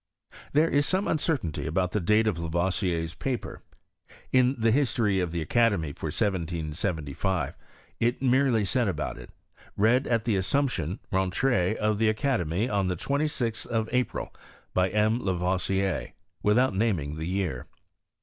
There is some uncertainty about the date of La voisier's paper. In the History of the Academy, for 1775, it is merely said about it, " Read at the re sumption (rentrh) of the Academy, on the 26th of April, by M, Lavoisier," without naming the year.